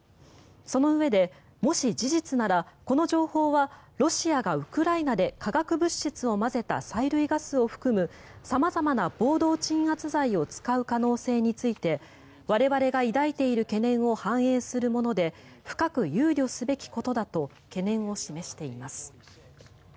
そのうえで、もし事実ならこの情報はロシアがウクライナで化学物質を混ぜた催涙ガスを含む様々な暴動鎮圧剤を使う可能性について我々が抱いている懸念を反映するもので深く憂慮すべきことだと懸念を示しています。